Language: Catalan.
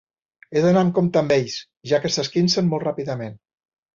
He d'anar amb compte amb ells, ja que s'esquincen molt ràpidament.